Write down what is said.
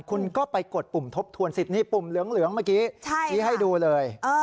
คุณก็ไปกดปุ่มทบทวนสิทธินี่ปุ่มเหลืองเมื่อกี้ชี้ให้ดูเลย